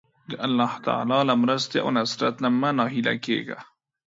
د الله تعالی له مرستې او نصرت نه مه ناهیلی کېږه.